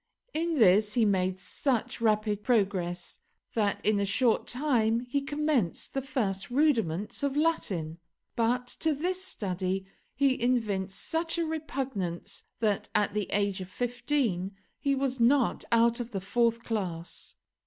In this he made such rapid progress that in a short time he commenced the first rudiments of Latin. But to this study he evinced such a repugnance that at the age of fifteen he was not out of the fourth class.